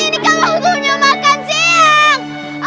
ini kamu harus punya makan sih